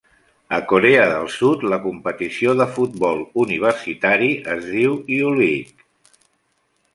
A Corea del Sud, la competició de futbol universitari es diu U-League.